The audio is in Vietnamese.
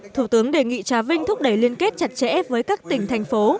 thủ tướng đề nghị trà vinh thúc đẩy liên kết chặt chẽ với các tỉnh thành phố